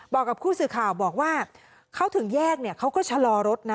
บอกกับผู้สื่อข่าวบอกว่าเขาถึงแยกเนี่ยเขาก็ชะลอรถนะ